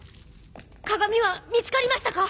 鏡は見つかりましたか？